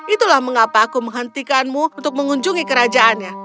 itulah mengapa aku menghentikanmu untuk mengunjungi kerajaannya